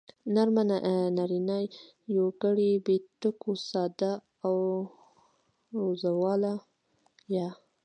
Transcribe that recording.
نرمه نارينه يوگړې بې ټکو ساده او زورواله يا